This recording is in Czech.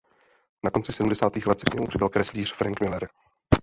Na konci sedmdesátých let se k němu přidal kreslíř Frank Miller.